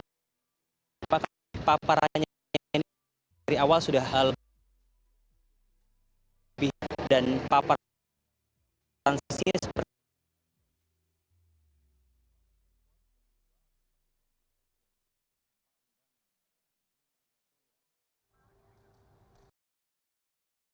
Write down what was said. apakah paparannya yang ini dari awal sudah lebih lebih dan paparan minyak ini sudah berubah